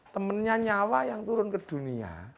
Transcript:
temennya nyawa yang turun ke dunia